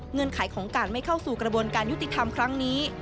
ไขของการไม่เข้าสู่กระบวนการยุติธรรมครั้งนี้